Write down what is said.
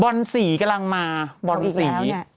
อนสีกำลังมาบอลสี